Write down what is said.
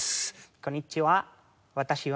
こんにちは。